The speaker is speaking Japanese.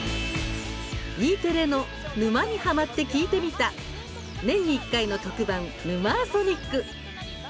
Ｅテレの「沼にハマってきいてみた」年に１回の特番「ヌマーソニック」。